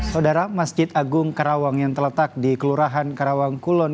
saudara masjid agung karawang yang terletak di kelurahan karawang kulon